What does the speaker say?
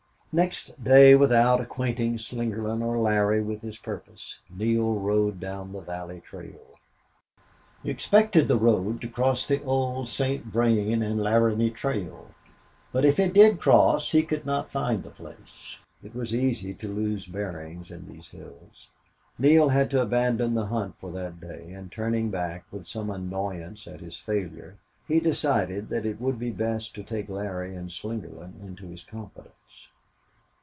Next day, without acquainting Slingerland or Larry with his purpose, Neale rode down the valley trail. He expected the road to cross the old St. Vrain and Laramie Trail, but if it did cross he could not find the place. It was easy to lose bearings in these hills. Neale had to abandon the hunt for that day, and turning back, with some annoyance at his failure, he decided that it would be best to take Larry and Slingerland into his confidence.